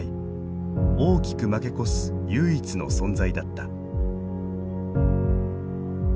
大きく負け越す唯一の存在だった。